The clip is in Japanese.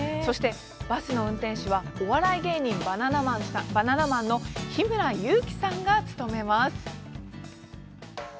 バスの運転手は、お笑い芸人バナナマンの日村勇紀さんが務めます。